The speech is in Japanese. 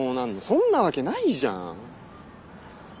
そんなわけないじゃん。